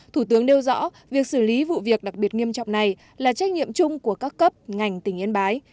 thủ tướng nêu rõ việc xử lý vụ việc đặc biệt nghiêm trọng này là trách nhiệm chung của các cấp ngành tỉnh yên bái